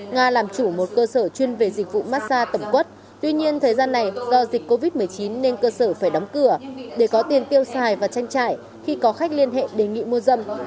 nga làm chủ một cơ sở chuyên về dịch vụ mát xa tổng quốc tuy nhiên thời gian này do dịch covid một mươi chín nên cơ sở phải đóng cửa để có tiền tiêu xài và tranh trại khi có khách liên hệ đề nghị mua dâm